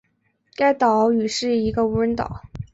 该岛屿是一个无人岛。